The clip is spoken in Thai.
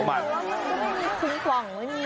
ก็ไม่มีทุ่งขวังว่ะนี่